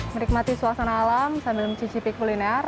menikmati suasana alam sambil mencicipi kuliner